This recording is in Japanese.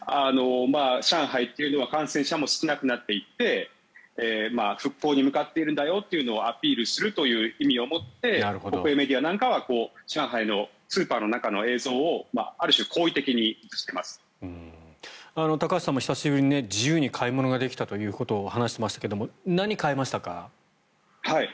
上海というのは感染者も少なくなっていて復興に向かっているんだよというのをアピールするという意図をもって国営メディアなんかは上海のスーパーの中の映像を高橋さんも久しぶりに自由に買い物ができたということを話していましたが何を買いましたか？